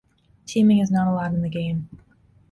Teaming is not allowed in the game.